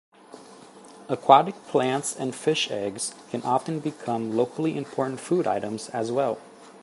Aquatic plants and fish eggs can often become locally important food items, as well.